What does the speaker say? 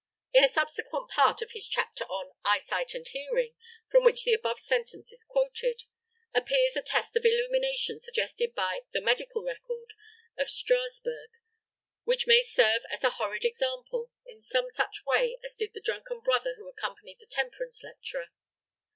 In a subsequent part of his chapter on "Eyesight and Hearing," from which the above sentence is quoted, appears a test of illumination suggested by "The Medical Record" of Strasburg, which may serve as a "horrid example" in some such way as did the drunken brother who accompanied the temperance lecturer.